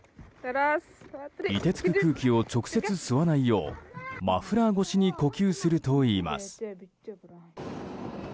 凍てつく空気を直接吸わないようマフラー越しに呼吸するといいます。